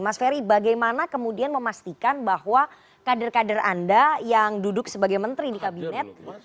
mas ferry bagaimana kemudian memastikan bahwa kader kader anda yang duduk sebagai menteri di kabinet